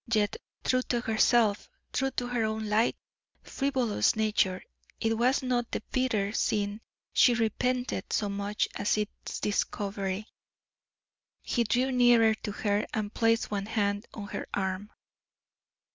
Yet true to herself, true to her own light, frivolous nature, it was not the bitter sin she repented so much as its discovery. He drew nearer to her, and placed one hand on her arm.